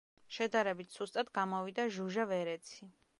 შედარებით სუსტად გამოვიდა ჟუჟა ვერეცი.